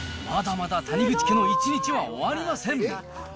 まだまだ谷口家の１日は終わりません。